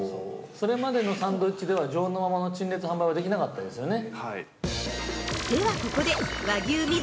◆それまでのサンドイッチでは常温のままの陳列・販売はできなかったですよね？